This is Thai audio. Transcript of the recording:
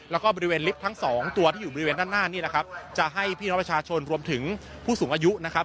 แล้วก็บริเวณลิฟต์ทั้งสองตัวที่อยู่บริเวณด้านหน้านี่นะครับจะให้พี่น้องประชาชนรวมถึงผู้สูงอายุนะครับ